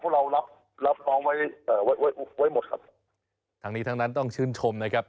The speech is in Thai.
เพราะเรารับรับน้องไว้เอ่อไว้ไว้หมดครับทั้งนี้ทั้งนั้นต้องชื่นชมนะครับ